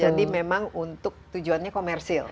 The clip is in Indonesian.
jadi memang untuk tujuannya komersil